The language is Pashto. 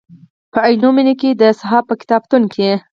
په عینومېنه کې د صحاف په کتابتون کې.